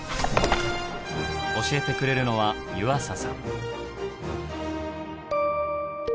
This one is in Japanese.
教えてくれるのは湯浅さん。